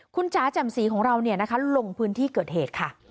คุณจ๋าจำศรีของเราเนี่ยนะคะลงพื้นที่เกิดเหตุค่ะ